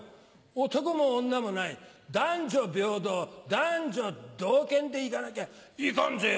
男も女もない男女平等男女同権でいかなきゃいかんぜよ！